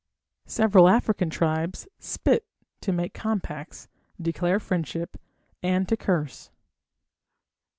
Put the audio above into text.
Several African tribes spit to make compacts, declare friendship, and to curse.